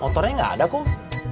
motornya nggak ada kum